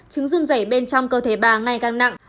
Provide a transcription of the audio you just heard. chứng dung dẩy bên trong cơ thể bà ngày càng nặng